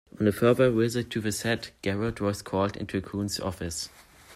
On a further visit to the set, Gerrold was called into Coon's office.